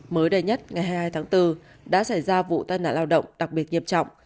mới đây nhất ngày hai mươi hai tháng bốn đã xảy ra vụ tai nạn lao động đặc biệt nghiêm trọng